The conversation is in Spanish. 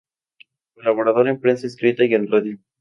Colaborador en prensa escrita y en radio.